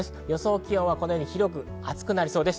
気温は広く暑くなりそうです。